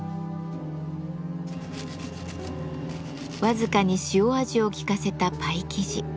僅かに塩味をきかせたパイ生地。